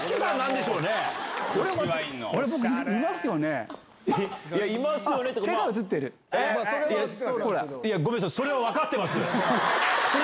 それは。ごめんなさい、それは分かってます。